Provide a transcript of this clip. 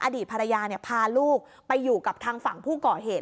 อดีตภรรยาพาลูกไปอยู่กับทางฝั่งผู้ก่อเหตุ